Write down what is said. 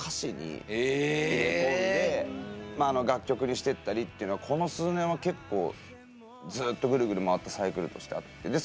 入れ込んで楽曲にしてったりっていうのはこの数年は結構ずっとグルグル回ったサイクルとしてあって。